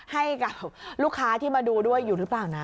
ให้กับลูกค้าที่มาดูด้วยอยู่หรือเปล่านะ